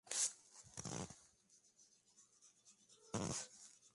Empezó a bailar "ballet", salsa y flamenco, a una edad temprana.